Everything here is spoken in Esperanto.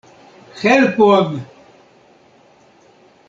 Helpon!